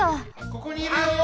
・ここにいるよ！